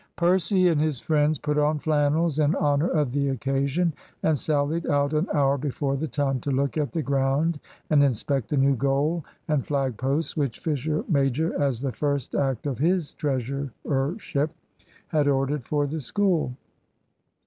Percy and his friends put on flannels in honour of the occasion and sallied out an hour before the time to look at the ground and inspect the new goal and flag posts which Fisher major, as the first act of his treasurership, had ordered for the School.